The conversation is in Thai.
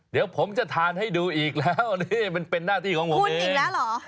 เดี๋ยวผมจะทานให้ดูอีกแล้วนี่มันเป็นหน้าที่ของผมพูดอีกแล้วเหรอ